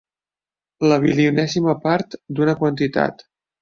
La bilionèsima part d'una quantitat.